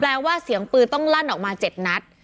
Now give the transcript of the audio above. ว่าเสียงปืนต้องลั่นออกมา๗นัด